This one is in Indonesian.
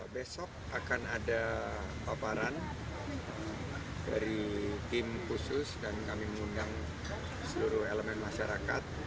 besok akan ada paparan dari tim khusus dan kami mengundang seluruh elemen masyarakat